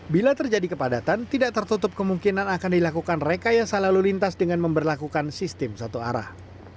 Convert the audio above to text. bila terjadi kepadatan tidak tertutup kemungkinan akan dilakukan rekayasa lalu lintas dengan memperlakukan sistem satu arah